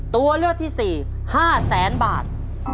ตัวเลือกที่๔๕แสนบาท